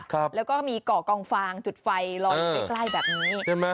ครับแล้วก็มีเกาะกองฟางจุดไฟลอยอยู่ใกล้ใกล้แบบนี้ใช่ไหม